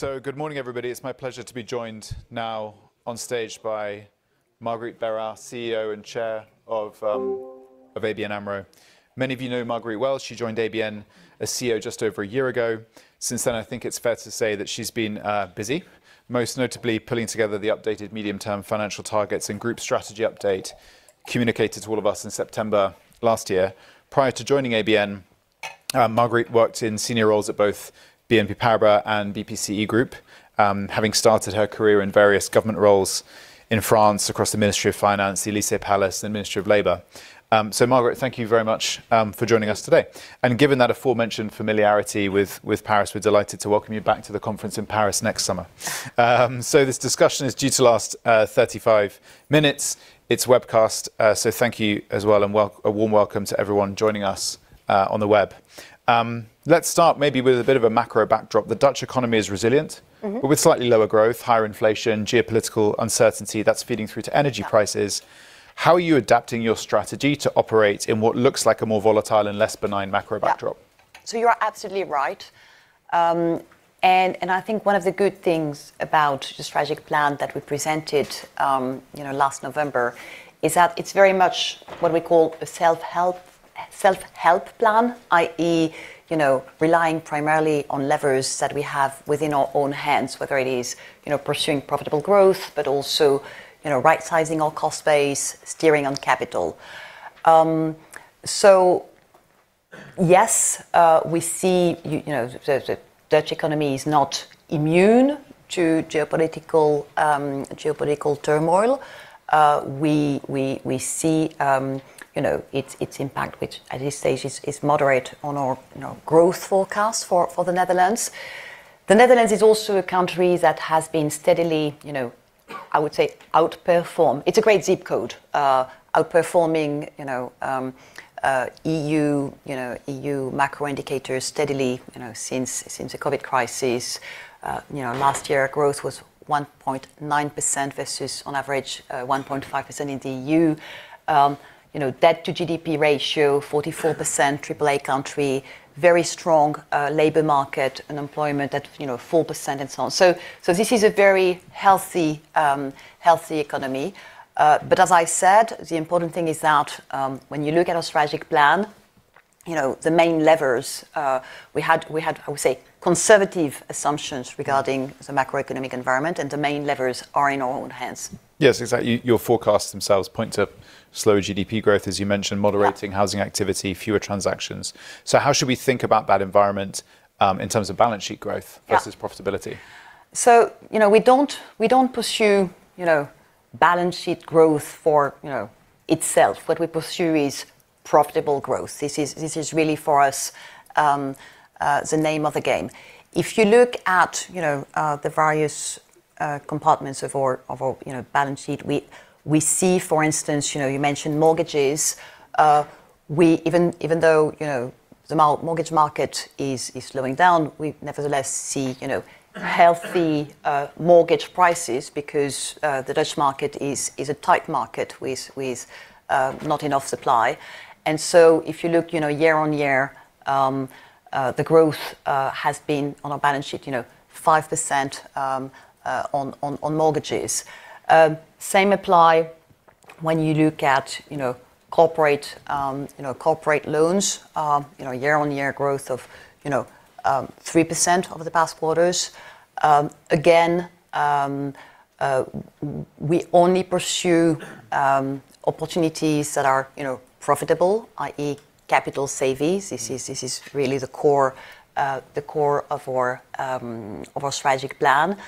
Good morning, everybody. It's my pleasure to be joined now on stage by Marguerite Bérard, CEO and Chair of ABN AMRO. Many of you know Marguerite well. She joined ABN as CEO just over a year ago. Since then, I think it's fair to say that she's been busy, most notably pulling together the updated medium-term financial targets and group strategy update communicated to all of us in September last year. Prior to joining ABN, Marguerite worked in senior roles at both BNP Paribas and BPCE Groupe, having started her career in various government roles in France across the Ministry of Finance, the Élysée Palace, and the Ministry of Labor. Marguerite, thank you very much for joining us today. Given that aforementioned familiarity with Paris, we're delighted to welcome you back to the conference in Paris next summer. So, this discussion is due to last 35 minutes. It's webcast, so thank you as well, and a warm welcome to everyone joining us on the web. Let's start, maybe, with a bit of a macro backdrop. The Dutch economy is resilient with slightly lower growth, higher inflation, geopolitical uncertainty, that's feeding through to energy prices. How are you adapting your strategy to operate in what looks like a more volatile and less benign macro backdrop? You are absolutely right, and I think one of the good things about the strategic plan that we presented last November is that it's very much what we call a self-help plan, i.e., relying primarily on levers that we have within our own hands, whether it is pursuing profitable growth, but also, right-sizing our cost base, steering on capital. Yes, we see the Dutch economy is not immune to geopolitical turmoil. We see its impact, which at this stage is moderate on our growth forecast for the Netherlands. The Netherlands is also a country that has been steadily, I would say, outperform, it's a great ZIP code, outperforming EU macro indicators steadily since the COVID crisis. Last year, growth was 1.9% versus, on average, 1.5% in the EU. Debt-to-GDP ratio, 44%, AAA country, very strong labor market, unemployment at 4%, and so on. So, this is a very healthy economy. But as I said, the important thing is that when you look at our strategic plan, the main levers, we had, I would say, conservative assumptions regarding the macroeconomic environment, and the main levers are in our own hands. Yes, exactly. Your forecasts themselves point to slow GDP growth, as you mentioned moderating housing activity, fewer transactions. How should we think about that environment in terms of balance sheet growth versus profitability? We don't pursue balance sheet growth for itself. What we pursue is profitable growth. This is really, for us, the name of the game. If you look at the various compartments of our balance sheet, we see, for instance, you mentioned mortgages. Even though the mortgage market is slowing down, we nevertheless see healthy mortgage prices because the Dutch market is a tight market with not enough supply. If you look year-on-year, the growth has been, on our balance sheet, 5% on mortgages. Same apply when you look at corporate loans, year-on-year growth of 3% over the past quarters. Again, we only pursue opportunities that are profitable, i.e., capital savings. This is really the core of our strategic plan.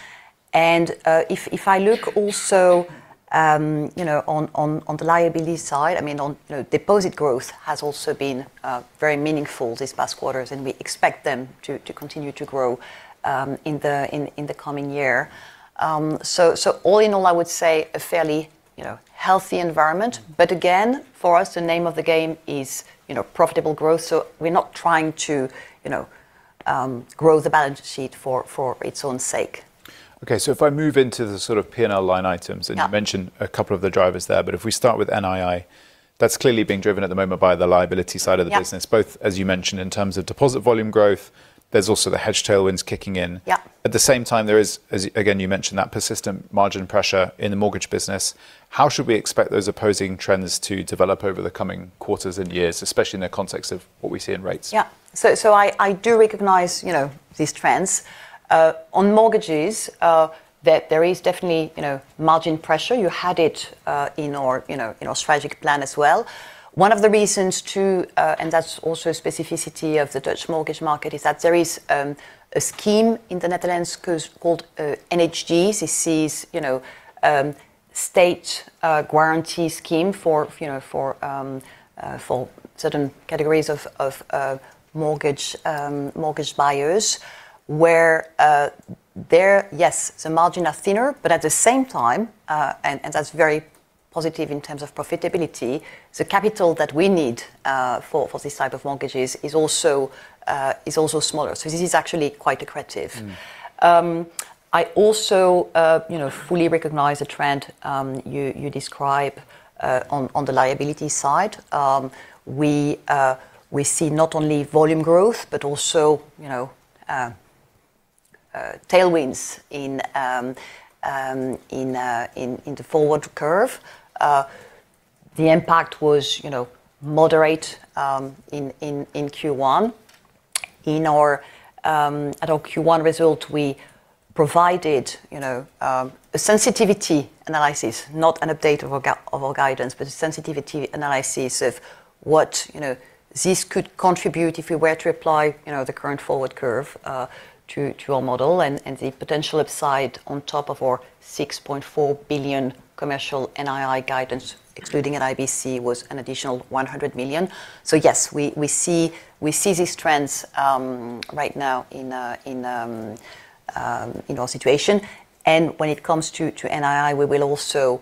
If I look also on the liability side, deposit growth has also been very meaningful these past quarters, and we expect them to continue to grow in the coming year. All in all, I would say, a fairly healthy environment, but again, for us, the name of the game is profitable growth, so we're not trying to grow the balance sheet for its own sake. Okay, if I move into the sort of P&L line items. Yeah. You mentioned a couple of the drivers there, but if we start with NII, that's clearly being driven at the moment by the liability side of the business. Yeah. Both, as you mentioned, in terms of deposit volume growth. There's also the hedge tailwinds kicking in. Yeah. At the same time, there is, again, you mentioned that persistent margin pressure in the mortgage business. How should we expect those opposing trends to develop over the coming quarters and years, especially in the context of what we see in rates? Yeah. I do recognize these trends. On mortgages, that there is definitely margin pressure. You had it in our strategic plan as well. One of the reasons too, and that's also a specificity of the Dutch mortgage market, is that there is a scheme in the Netherlands called NHG. This is state guarantee scheme for certain categories of mortgage buyers where there, yes, the margin are thinner, but at the same time, and that's very positive in terms of profitability, the capital that we need for these types of mortgages is also smaller. This is actually quite accretive. I also fully recognize a trend you describe on the liability side. We see not only volume growth, but also tailwinds in the forward curve. The impact was moderate in Q1. In our Q1 result, we provided a sensitivity analysis, not an update of our guidance, but a sensitivity analysis of what this could contribute if we were to apply the current forward curve to our model, and the potential upside on top of our 6.4 billion commercial NII guidance, excluding NIBC, was an additional 100 million. Yes, we see these trends right now in our situation. When it comes to NII, we will also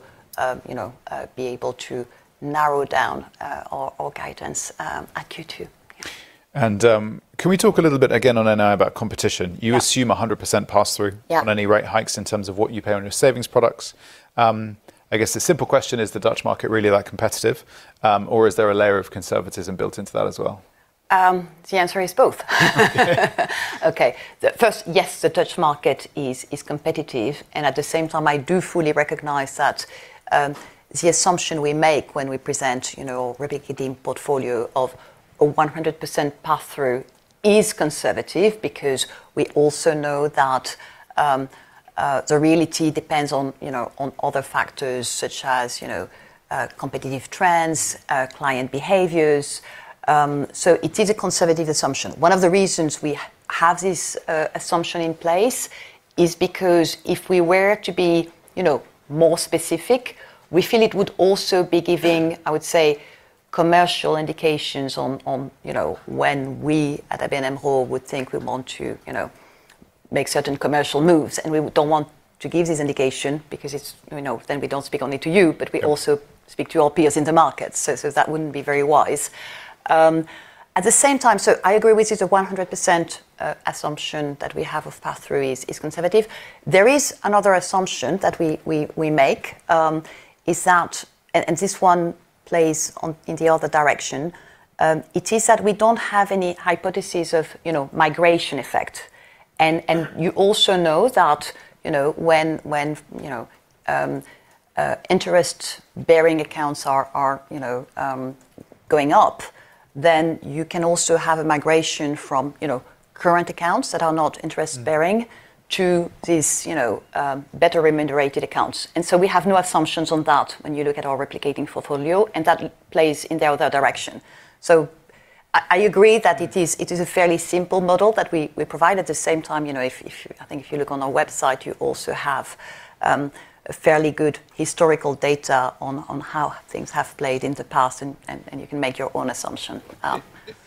be able to narrow down our guidance at Q2. Can we talk a little bit again on NII about competition? Yeah. You assume 100% pass-through. Yeah. On any rate hikes in terms of what you pay on your savings products. I guess the simple question, is the Dutch market really that competitive? Or is there a layer of conservatism built into that as well? The answer is both. Okay. First, yes, the Dutch market is competitive, and at the same time, I do fully recognize that the assumption we make when we present replicating portfolio of a 100% pass-through is conservative because we also know that the reality depends on other factors such as competitive trends, client behaviors, so it is a conservative assumption. One of the reasons we have this assumption in place is because if we were to be more specific, we feel it would also be giving, I would say, commercial indications on when we at ABN AMRO would think we want to make certain commercial moves, and we don't want to give this indication because then, we don't speak only to you, but we also speak to our peers in the market. That wouldn't be very wise. At the same time, I agree with you, the 100% assumption that we have of pass-through is conservative. There is another assumption that we make, it's not, this one plays in the other direction. It is that we don't have any hypothesis of migration effect. You also know that when interest-bearing accounts are going up, then you can also have a migration from current accounts that are not interest-bearing to these better remunerated accounts. We have no assumptions on that when you look at our replicating portfolio, and that plays in the other direction. I agree that it is a fairly simple model that we provide. At the same time, I think if you look on our website, you also have fairly good historical data on how things have played in the past, and you can make your own assumption.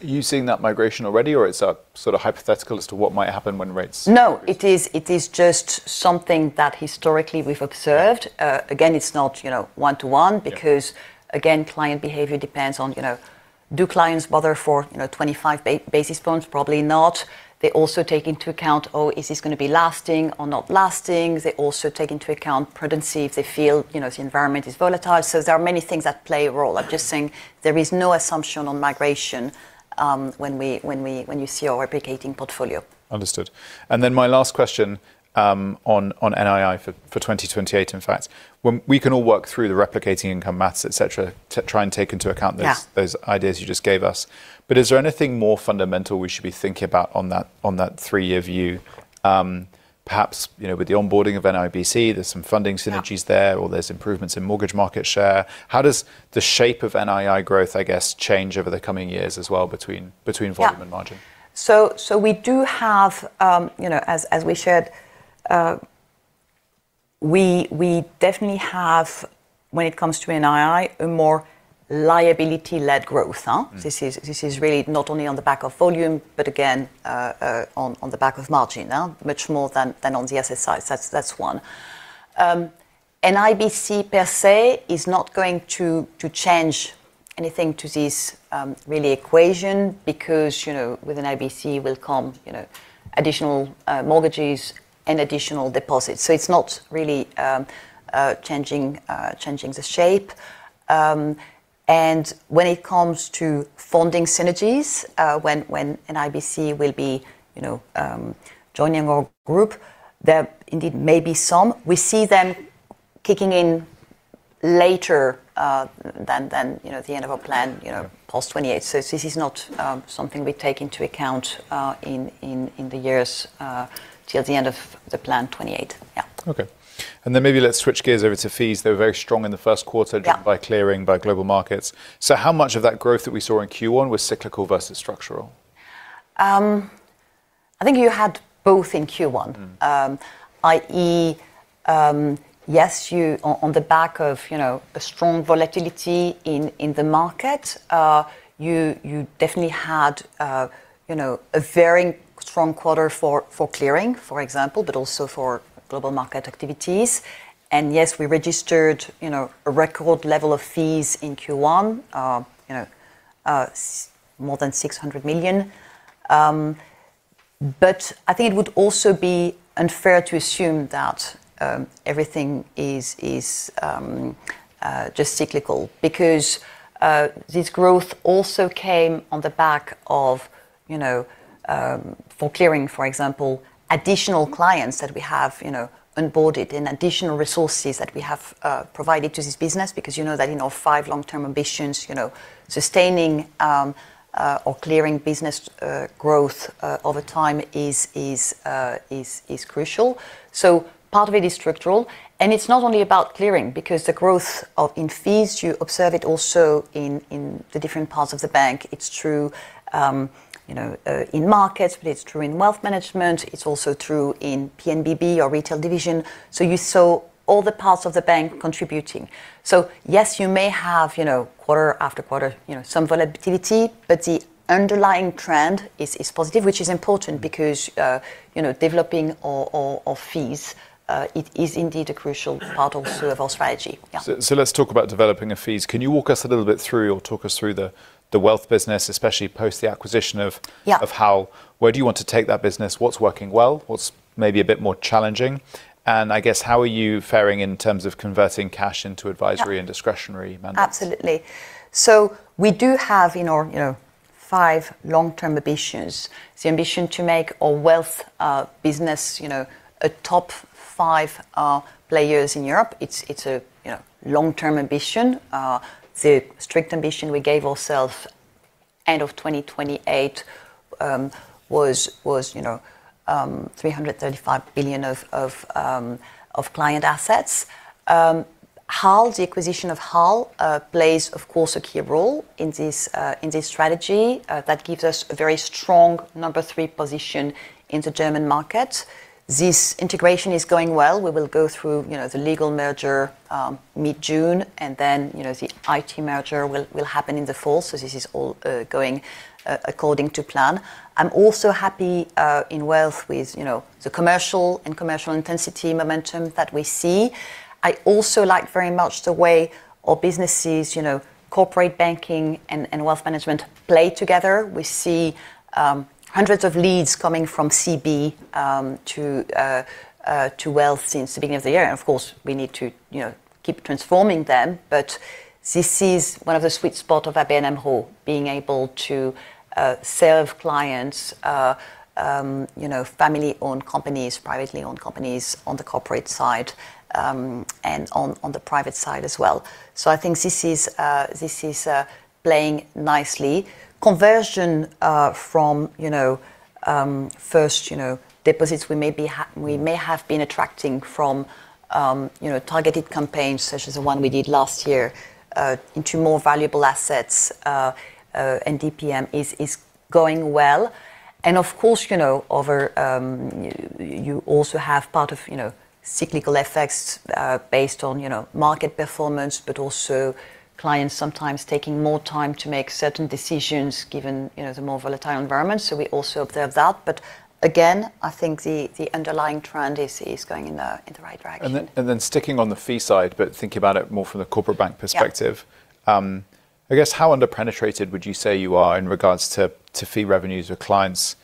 Are you seeing that migration already, or it's a sort of hypothetical as to what might happen when rates? No. It is just something that historically we've observed. Again, it's not one-to-one because, again, client behavior depends on, do clients bother for 25 basis points? Probably not. They also take into account, is this going to be lasting or not lasting? They also take into account prudency if they feel the environment is volatile. There are many things that play a role. I'm just saying there is no assumption on migration when you see our replicating portfolio. Understood. Then my last question on NII for 2028, in fact, we can all work through the replicating income maths, et cetera, to try and take into account. Yeah. Those ideas you just gave us. But is there anything more fundamental we should be thinking about on that three-year view? Perhaps with the onboarding of NIBC, there's some funding synergies there, or there's improvements in mortgage market share. How does the shape of NII growth, I guess, change over the coming years as well between volume and margin? Yeah. We do have, as we shared, we definitely have, when it comes to NII, a more liability-led growth, huh? This is really not only on the back of volume, but again, on the back of margin now much more than on the asset side. That's one. NIBC per se is not going to change anything to this equation because with NIBC will come additional mortgages and additional deposits. It's not really changing the shape. When it comes to funding synergies, when NIBC will be joining our group, there indeed may be some. We see them kicking in later than the end of our plan post-2028. This is not something we take into account in the years till the end of the plan 2028. Yeah. Okay. Then maybe let's switch gears over to fees. They were very strong in the first quarter. Yeah. Driven by clearing, by global markets. How much of that growth that we saw in Q1 was cyclical versus structural? I think you had both in Q1, i.e. yes, on the back of a strong volatility in the market, you definitely had a very strong quarter for clearing, for example, but also for global market activities. Yes, we registered a record level of fees in Q1, more than 600 million, but I think it would also be unfair to assume that everything is just cyclical because this growth also came on the back of, for clearing, for example, additional clients that we have onboarded and additional resources that we have provided to this business because you know that five long-term ambitions, sustaining or clearing business growth over time is crucial. Part of it is structural, and it's not only about clearing because the growth in fees, you observe it also in the different parts of the bank. It's true in markets, but it's true in wealth management. It's also true in P&BB or retail division. You saw all the parts of the bank contributing. Yes, you may have quarter after quarter some volatility, but the underlying trend is positive, which is important because developing our fees is indeed a crucial part of our strategy. Yeah. Let's talk about developing fees. Can you walk us a little bit through or talk us through the wealth business, especially post the acquisition of? Yeah. Of HAL, where do you want to take that business? What's working well? What's maybe a bit more challenging? And I guess, how are you fairing in terms of converting cash into advisory and discretionary mandates? Absolutely. We do have in our five long-term ambitions, the ambition to make our wealth business a top five players in Europe. It's a long-term ambition. The strict ambition we gave ourself end of 2028 was 335 billion of client assets. HAL, the acquisition of HAL plays, of course, a key role in this strategy that gives us a very strong number three position in the German market. This integration is going well. We will go through the legal merger mid-June, and then the IT merger will happen in the fall. This is all going according to plan. I'm also happy in wealth with the commercial and commercial intensity momentum that we see. I also like very much the way our businesses, corporate banking, and wealth management play together. We see hundreds of leads coming from CB to wealth since the beginning of the year, and of course, we need to keep transforming them. But this is one of the sweet spot of ABN AMRO, being able to serve clients, family-owned companies, privately owned companies on the corporate side, and on the private side as well. I think this is playing nicely. Conversion from first deposits, we may have been attracting from targeted campaigns, such as the one we did last year into more valuable assets, and DPM is going well. Of course, you also have part of cyclical effects based on market performance, but also clients sometimes taking more time to make certain decisions given the more volatile environment. We also observe that. Again, I think the underlying trend is going in the right direction. Sticking on the fee side, but thinking about it more from the corporate bank perspective. Yeah. I guess how underpenetrated would you say you are in regard to fee revenues with clients?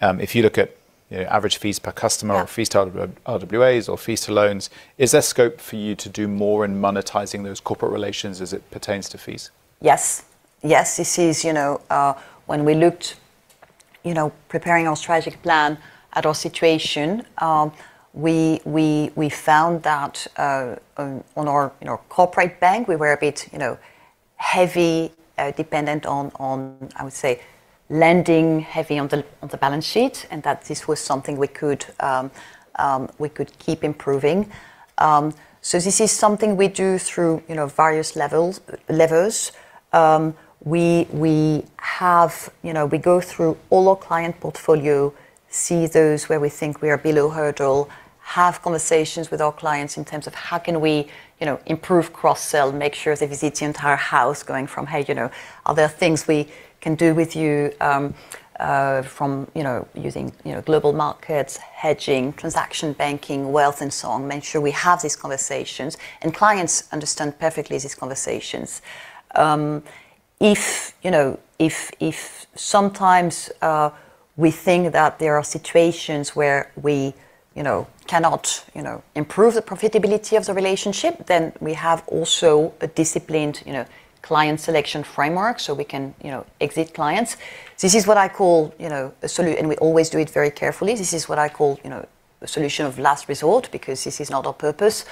If you look at average fees per customer. Yeah. Or fees to RWAs or fees to loans, is there scope for you to do more in monetizing those corporate relations as it pertains to fees? Yes. This is when we looked, preparing our strategic plan at our situation, we found that on our corporate bank, we were a bit heavy, dependent on, I would say, lending heavy on the balance sheet, and that this was something we could keep improving. This is something we do through various levers. We have, we go through all our client portfolio, see those where we think we are below hurdle, have conversations with our clients in terms of how can we improve cross-sell, make sure they visit the entire house going from, "Hey, are there things we can do with you from using global markets, hedging, transaction banking, wealth, and so on?" Make sure we have these conversations, and clients understand perfectly these conversations. If sometimes we think that there are situations where we cannot improve the profitability of the relationship, then we have also a disciplined client selection framework so we can exit clients. This is what I call, and we always do it very carefully, this is what I call a solution of last resort because this is not our purpose.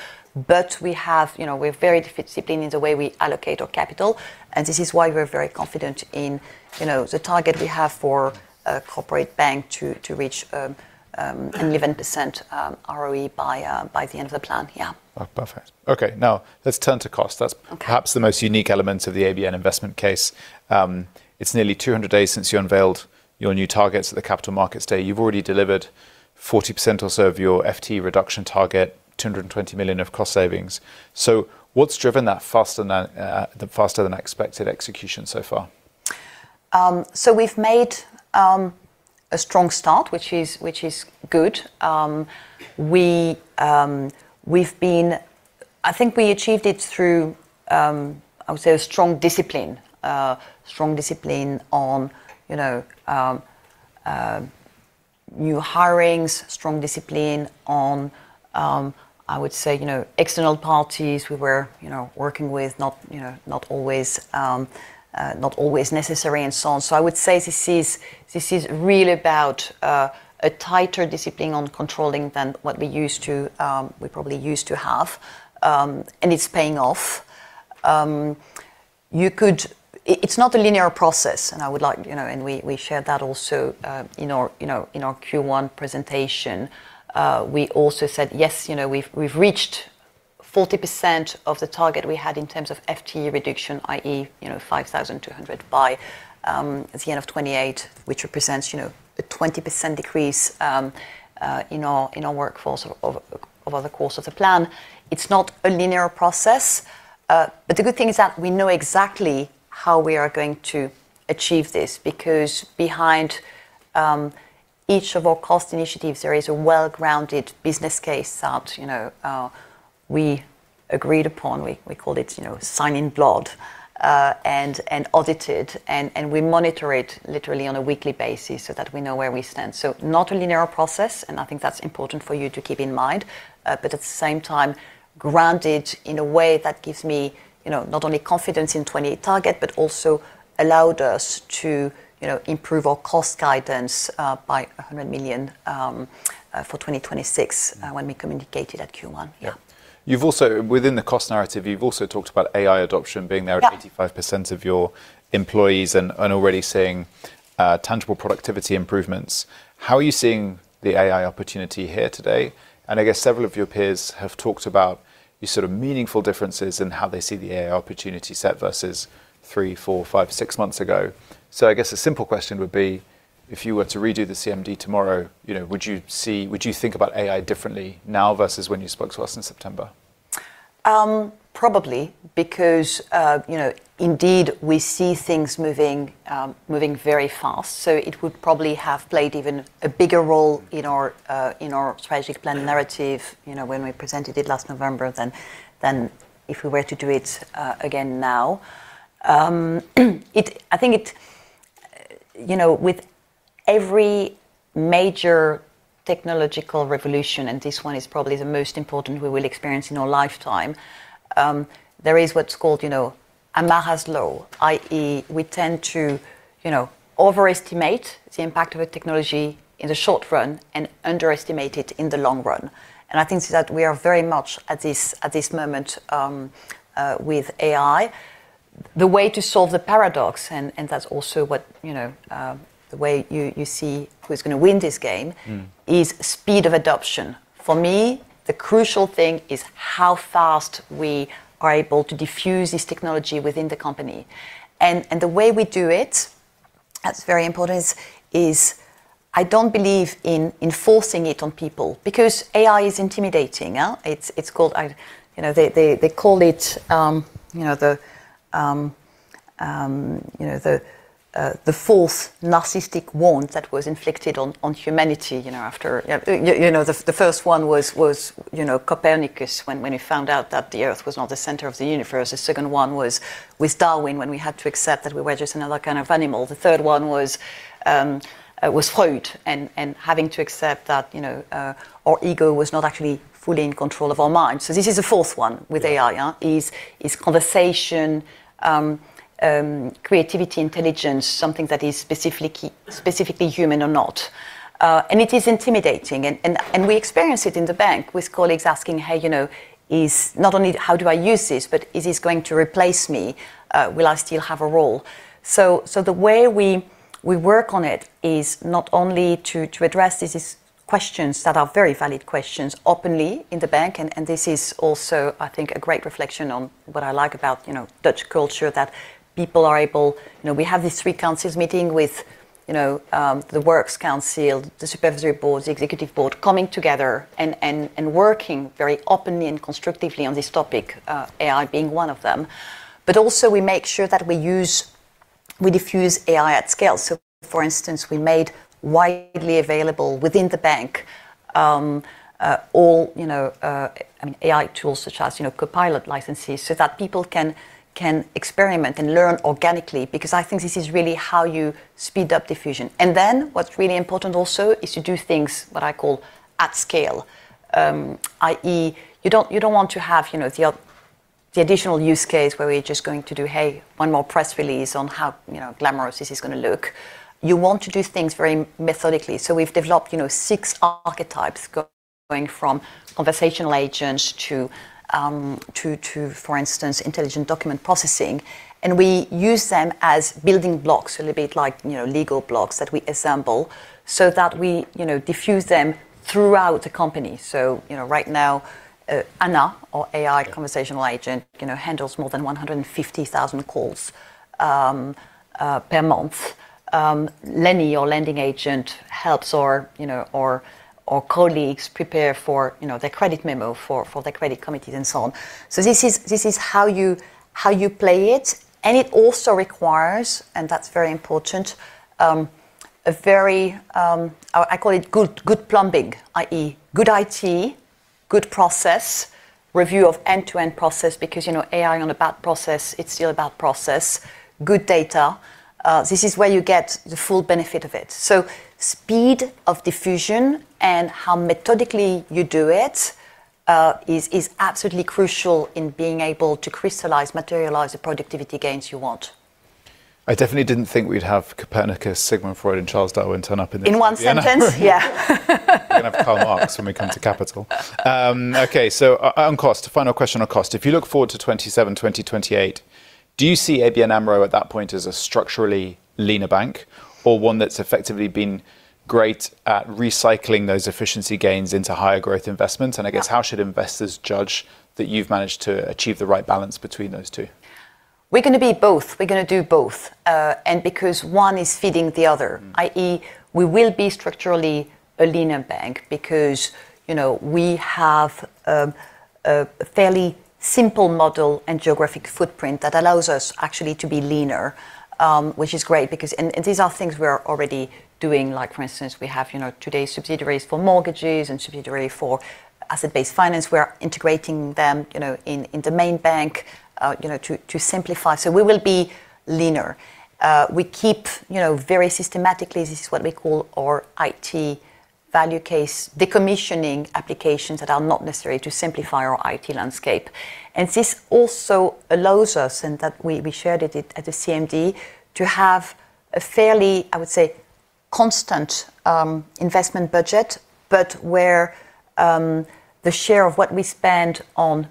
But we have, we're very disciplined in the way we allocate our capital, and this is why we're very confident in the target we have for a corporate bank to reach 11% ROE by the end of the plan. Yeah. Oh, perfect. Okay, now, let's turn to cost. Okay. That's perhaps the most unique element of the ABN investment case. It's nearly 200 days since you unveiled your new targets at the Capital Markets Day. You've already delivered 40% or so of your FTE reduction target, 220 million of cost savings. What's driven that faster than expected execution so far? We've made a strong start, which is good. We've been, I think we achieved it through, I would say, a strong discipline, a strong discipline on new hirings, strong discipline on, I would say, external parties we were working with, not always necessary and so on. I would say this is really about a tighter discipline on controlling than what we probably used to have, and it's paying off. It's not a linear process, and we shared that also in our Q1 presentation. We also said, yes, we've reached 40% of the target we had in terms of FTE reduction, i.e., 5,200 by the end of 2028, which represents a 20% decrease in our workforce over the course of the plan. It's not a linear process, but the good thing is that we know exactly how we are going to achieve this because behind each of our cost initiatives, there is a well-grounded business case that we agreed upon, we called it sign in blood and audited, and we monitor it literally on a weekly basis so that we know where we stand. So, not a linear process, and I think that's important for you to keep in mind, but at the same time, grounded in a way that gives me, not only confidence in 2028 target, but also allowed us to improve our cost guidance by 100 million for 2026 when we communicated at Q1. Yeah. Yeah. Within the cost narrative, you've also talked about AI adoption being there. Yeah. At 85% of your employees and already seeing tangible productivity improvements. How are you seeing the AI opportunity here today? I guess several of your peers have talked about the sort of meaningful differences in how they see the AI opportunity set versus three, four, five, six months ago. I guess a simple question would be, if you were to redo the CMD tomorrow, would you think about AI differently now versus when you spoke to us in September? Probably because, indeed, we see things moving very fast, so it would probably have played even a bigger role in our strategic plan narrative when we presented it last November than if we were to do it again now. With every major technological revolution, and this one is probably the most important we will experience in our lifetime, there is what's called Amara's Law, i.e., we tend to overestimate the impact of a technology in the short run and underestimate it in the long run. I think that we are very much at this moment with AI. The way to solve the paradox, and that's also the way you see who's going to win this game, is speed of adoption. For me, the crucial thing is how fast we are able to diffuse this technology within the company. The way we do it, that's very important, is I don't believe in enforcing it on people because AI is intimidating. They call it the fourth narcissistic wound that was inflicted on humanity after, the first one was Copernicus when he found out that the Earth was not the center of the universe. The second one was with Darwin when we had to accept that we were just another kind of animal. The third one was Freud and having to accept that our ego was not actually fully in control of our minds. This is the fourth one with AI. Is conversation creativity intelligence something that is specifically human or not? It is intimidating, and we experience it in the bank with colleagues asking, "Hey, not only how do I use this, but is this going to replace me? Will I still have a role?" The way we work on it is not only to address these questions that are very valid questions openly in the bank. This is also, I think, a great reflection on what I like about Dutch culture, that we have these three councils meeting with the Works Council, the Supervisory Board, the Executive Board coming together and working very openly and constructively on this topic, AI being one of them. Also, we make sure that we diffuse AI at scale. For instance, we made widely available within the bank, AI tools such as Copilot licenses so that people can experiment and learn organically because I think this is really how you speed up diffusion. Then, what's really important also is to do things that I call at scale, i.e., you don't want to have the additional use case where we're just going to do, hey, one more press release on how glamorous this is going to look. You want to do things very methodically. We've developed six archetypes going from conversational agents to, for instance, intelligent document processing, and we use them as building blocks a little bit like LEGO blocks that we assemble so that we diffuse them throughout the company. Right now, Anna, our AI conversational agent, handles more than 150,000 calls per month. Lenny, our lending agent, helps our colleagues prepare for their credit memo for the credit committees and so on. This is how you play it. It also requires, and that's very important, a very, I call it, good plumbing, i.e., good IT, good process, review of end-to-end process, because AI on a bad process, it's still a bad process. Good data. This is where you get the full benefit of it. Speed of diffusion and how methodically you do it is absolutely crucial in being able to crystallize, materialize the productivity gains you want. I definitely didn't think we'd have Copernicus, Sigmund Freud, and Charles Darwin turn up in. In one sentence? Yeah. We're going to have Karl Marx when we come to capital. Okay, on cost, final question on cost. If you look forward to 2027, 2028, do you see ABN AMRO at that point as a structurally leaner bank or one that's effectively been great at recycling those efficiency gains into higher growth investments? I guess how should investors judge that you've managed to achieve the right balance between those two? We're going to be both. We're going to do both because one is feeding the other, i.e., we will be structurally a leaner bank because we have a fairly simple model and geographic footprint that allows us actually to be leaner, which is great because these are things we're already doing. For instance, we have today subsidiaries for mortgages and subsidiary for asset-based finance. We are integrating them in the main bank to simplify. We will be leaner. We keep very systematically, this is what we call our IT value case, decommissioning applications that are not necessary to simplify our IT landscape. This also allows us, and that we shared it at the CMD, to have a fairly, I would say, constant investment budget, but where the share of what we spend on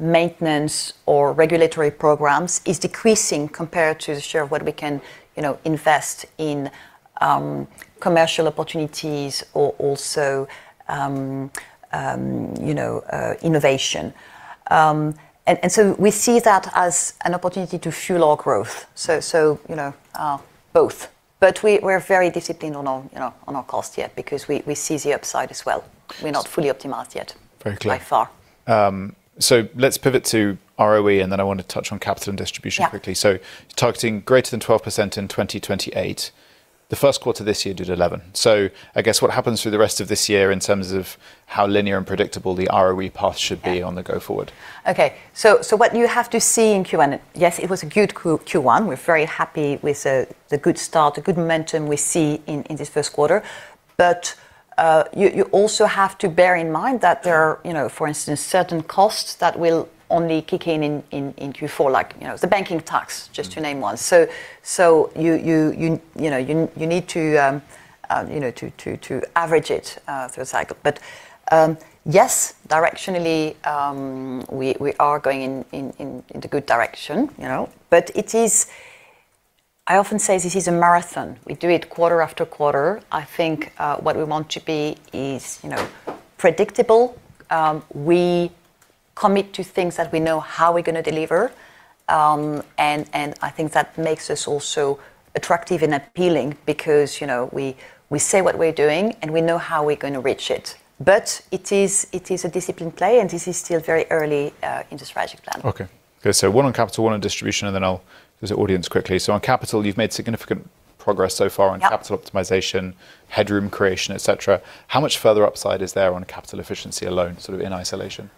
maintenance or regulatory programs is decreasing compared to the share of what we can invest in commercial opportunities or also innovation. We see that as an opportunity to fuel our growth. So, both. But we're very disciplined on our cost yet because we seize the upside as well. We're not fully optimized yet. Very clear. By far. Let's pivot to ROE, and then I want to touch on capital and distribution quickly. Yeah. You're targeting greater than 12% in 2028. The first quarter this year, did 11%. I guess what happens through the rest of this year in terms of how linear and predictable the ROE path should be on the go forward? Okay. What you have to see in Q1, yes, it was a good Q1, we're very happy with the good start, the good momentum we see in this first quarter, but you also have to bear in mind that there are, for instance, certain costs that will only kick in in Q4, like the banking tax, just to name one. You need to average it through a cycle. Yes, directionally, we are going in the good direction, but it is, I often say this is a marathon. We do it quarter after quarter. I think what we want to be is predictable. We commit to things that we know how we're going to deliver, and I think that makes us also attractive and appealing because we say what we're doing, and we know how we're going to reach it. But it is a discipline play, and this is still very early in the strategic plan. Okay. One on capital, one on distribution, and then I'll go to the audience quickly. On capital, you've made significant progress so far. Yep. On capital optimization, headroom creation, et cetera. How much further upside is there on capital efficiency alone, sort of in isolation?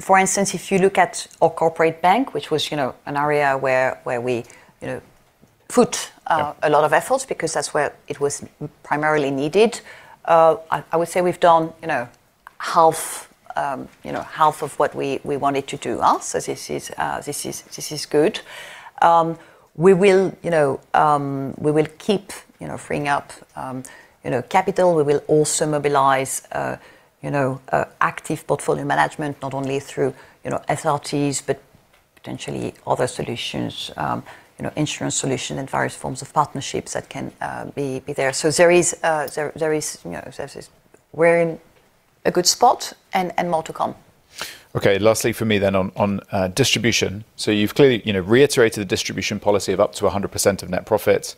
For instance, if you look at our corporate bank, which was an area where we put a lot of efforts because that's where it was primarily needed. I would say we've done half of what we wanted to do, so this is good. We will keep freeing up capital. We will also mobilize active portfolio management, not only through SRTs, but potentially other solutions, insurance solution and various forms of partnerships that can be there. We're in a good spot, and more to come. Lastly for me on distribution. You've clearly reiterated the distribution policy of up to 100% of net profits.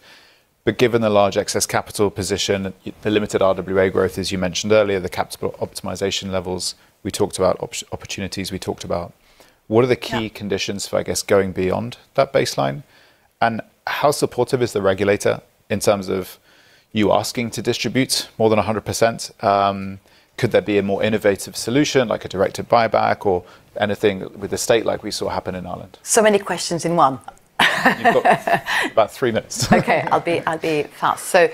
Given the large excess capital position, the limited RWA growth, as you mentioned earlier, the capital optimization levels we talked about, opportunities we talked about. Yeah. What are the key conditions for, I guess, going beyond that baseline? And how supportive is the regulator in terms of you asking to distribute more than 100%? Could there be a more innovative solution, like a directed buyback or anything with the state like we saw happen in Ireland? So many questions in one. You've got about three minutes. Okay. I'll be fast.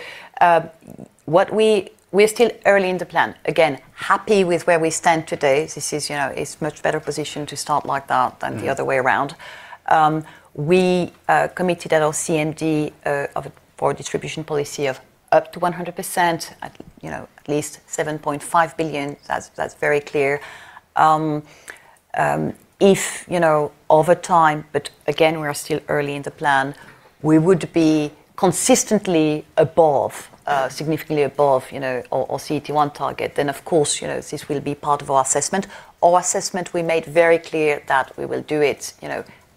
We're still early in the plan. Again, happy with where we stand today. This is much better position to start like that than the other way around. We committed at our CMD for a distribution policy of up to 100%, at least 7.5 billion. That's very clear. If over time, again, we are still early in the plan, we would be consistently above, significantly above our CET1 target, of course, this will be part of our assessment. Our assessment, we made very clear that we will do it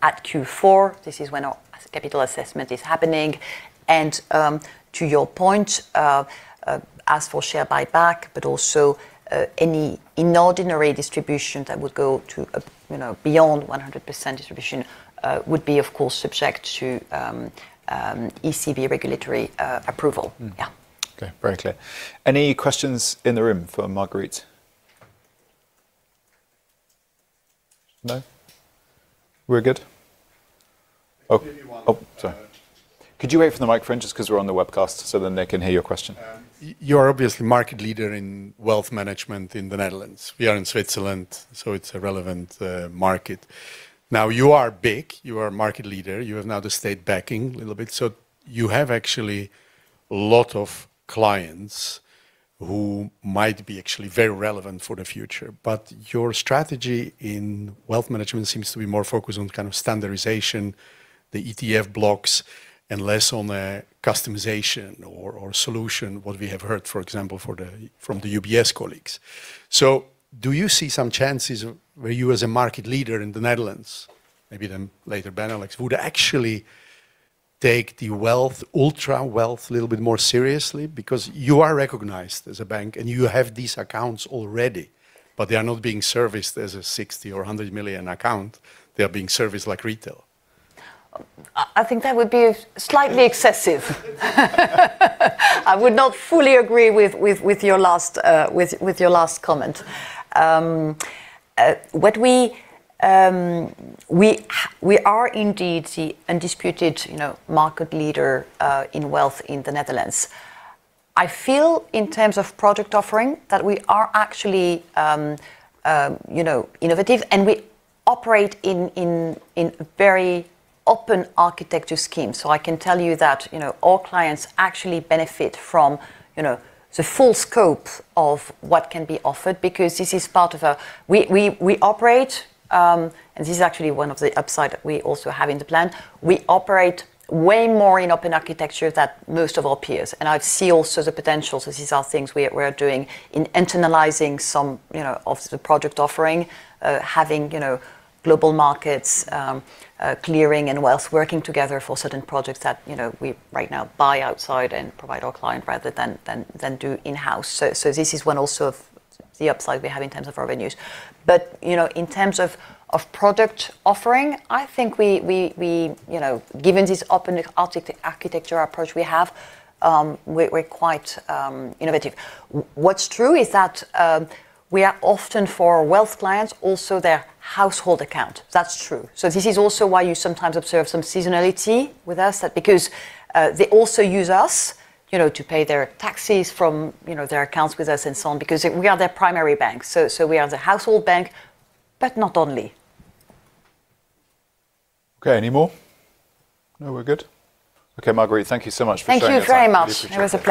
at Q4. This is when our capital assessment is happening. To your point, as for share buyback, but also any inordinary distribution that would go to beyond 100% distribution would be, of course, subject to ECB regulatory approval. Yeah. Okay. Very clear. Any questions in the room for Marguerite? No? We're good. Maybe one. Oh, sorry. Could you wait for the mic friend, just because we're on the webcast, so then they can hear your question. You are obviously market leader in wealth management in the Netherlands. We are in Switzerland, so it's a relevant market. Now, you are big, you are a market leader. You have now the state backing a little bit. You have actually lot of clients who might be actually very relevant for the future, but your strategy in wealth management seems to be more focused on kind of standardization, the ETF blocks, and less on customization or solution, what we have heard, for example, from the UBS colleagues. Do you see some chances where you as a market leader in the Netherlands, maybe then later Benelux, would actually take the wealth, ultra wealth a little bit more seriously? Because you are recognized as a bank and you have these accounts already, but they are not being serviced as a 60 million or 100 million account. They are being serviced like retail. I think that would be slightly excessive. I would not fully agree with your last comment. We are indeed the undisputed market leader in wealth in the Netherlands. I feel, in terms of product offering, that we are actually innovative and we operate in a very open architecture scheme. I can tell you that our clients actually benefit from the full scope of what can be offered because this is part of, we operate, and this is actually one of the upside we also have in the plan, we operate way more in open architecture than most of our peers. I see also the potentials. These are things we are doing in internalizing some of the product offering, having global markets, clearing and wealth working together for certain projects that we, right now, buy outside and provide our client rather than do in-house. This is one also of the upside we have in terms of our revenues. In terms of product offering, I think, given this open architecture approach we have, we're quite innovative. What's true is that we are often for wealth clients, also their household account. That's true. This is also why you sometimes observe some seasonality with us because they also use us to pay their taxes from their accounts with us and so on because we are their primary bank. We are the household bank, but not only. Okay. Any more? No, we're good. Okay, Marguerite, thank you so much for joining us. Thank you very much. Appreciate it. It was a pleasure.